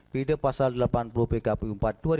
pida pasal delapan puluh lima b kpu empat dua ribu sembilan belas